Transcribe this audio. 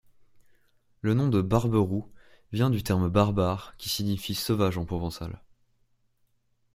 Le nom de barbaroux vient du terme barbare qui signifie sauvage en provençal.